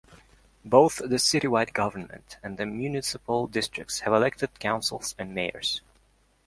Both the citywide government and the municipal districts have elected councils and mayors.